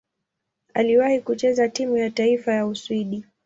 Aliwahi kucheza timu ya taifa ya Uswidi.